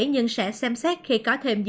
nhưng sẽ xem xét khi có thể